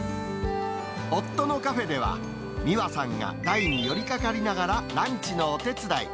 夫のカフェでは、美和さんが台に寄りかかりながらランチのお手伝い。